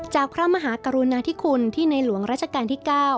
พระมหากรุณาธิคุณที่ในหลวงราชการที่๙